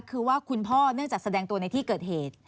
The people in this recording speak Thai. คือว่าคุณพ่อเนื่องจากแสดงตัวในที่เกิดเหตุ